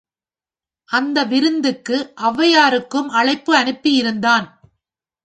அந்த விருத்துக்கு ஒளவையாருக்கும் அழைப்பு அனுப்பியிருந்தான்.